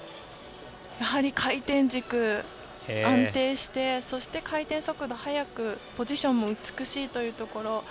やはり回転軸が安定して、そして回転速度は速くポジションも美しいというところ。